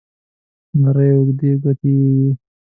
نرۍ اوږدې ګوتې یې وې.